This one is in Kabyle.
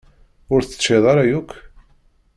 Ur t-teččiḍ ara, yak?